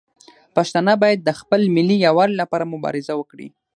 پښتانه باید د خپل ملي یووالي لپاره مبارزه وکړي.